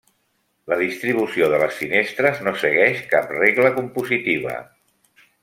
La distribució de les finestres no segueix cap regla compositiva.